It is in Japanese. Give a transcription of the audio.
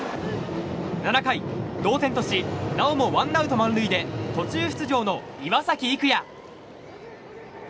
７回、同点としなおもワンアウト満塁で途中出場の岩崎生弥。